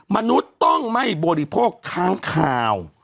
มนุษย์ต้องไม่บริโภคค้างคาว